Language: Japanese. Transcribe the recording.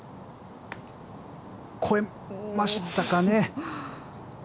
越えましたかね？